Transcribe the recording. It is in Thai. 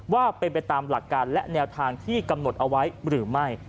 ว่าเป็นไปตามหลักการและแนวทางที่กำหนดเอาไว้หรือไม่